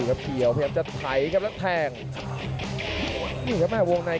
สลับเที่ยวพยายามจะถัยครับแล้วก็แทง